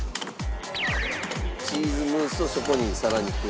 チーズムースをそこにさらに加える。